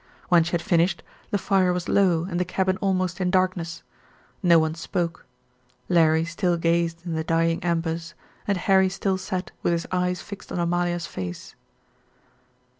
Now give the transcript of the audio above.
When she had finished, the fire was low and the cabin almost in darkness. No one spoke. Larry still gazed in the dying embers, and Harry still sat with his eyes fixed on Amalia's face.